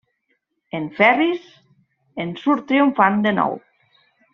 En Ferris en surt triomfant de nou.